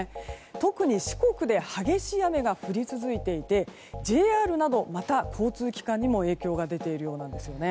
特に四国で激しい雨が降り続いていてＪＲなど、また交通機関にも影響が出ているようなんです。